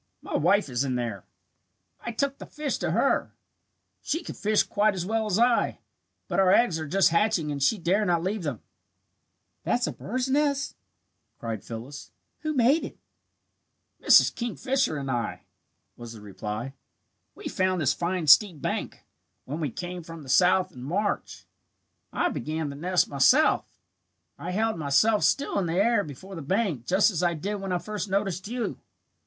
"My wife is in there. I took the fish to her. She can fish quite as well as I, but our eggs are just hatching and she dare not leave them." "That a bird's nest?" cried Phyllis. "Who made it?" "Mrs. Kingfisher and I did," was the reply. "We found this fine steep bank when we came from the south in March. "I began the nest myself. I held myself still in the air before the bank just as I did when I first noticed you.